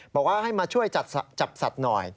บอกว่าให้มาช่วยจับสัตว์หน่อย